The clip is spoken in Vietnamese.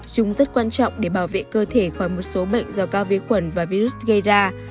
chúng rất quan trọng để bảo vệ cơ thể khỏi một số bệnh do cao vi khuẩn và virus gây ra